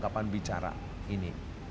kapan bicara ini